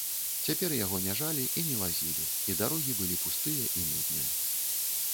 Цяпер яго не жалі і не вазілі, і дарогі былі пустыя і нудныя.